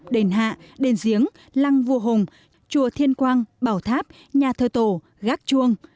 đền hạ đền giếng lăng vua hùng chùa thiên quang bảo tháp nhà thơ tổ gác chuông